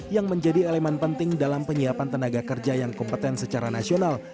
yang menjadi elemen penting dalam penyiapan tenaga kerja yang kompeten secara nasional